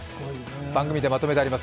番組でまとめてあります。